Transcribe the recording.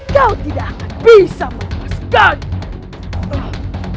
kau tidak akan bisa melepaskannya